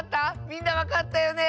みんなわかったよね？